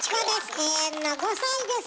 永遠の５さいです。